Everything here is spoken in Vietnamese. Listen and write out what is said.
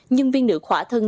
nhưng viên nữ khỏa thân